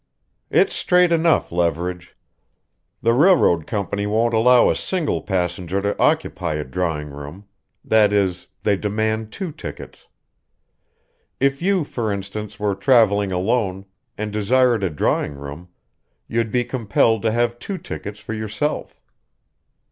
"It's straight enough, Leverage. The railroad company won't allow a single passenger to occupy a drawing room that is, they demand two tickets. If you, for instance, were traveling alone, and desired a drawing room, you'd be compelled to have two tickets for yourself.